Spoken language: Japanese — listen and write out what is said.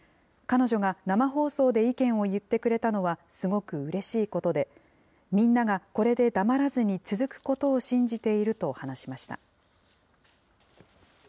彼女が生放送で意見を言ってくれたのはすごくうれしいことで、みんながこれで黙らずに続くことを信じていると話しました。